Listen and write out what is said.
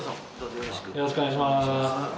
よろしくお願いします。